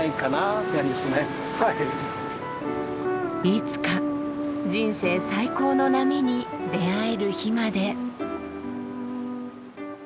いつか人生最高の波に出会える日まで。